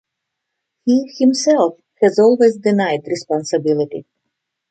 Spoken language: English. He himself has always denied responsibility.